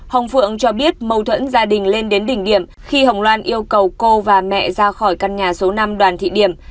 ông phượng cho biết mâu thuẫn gia đình lên đến đỉnh điểm khi hồng loan yêu cầu cô và mẹ ra khỏi căn nhà số năm đoàn thị điểm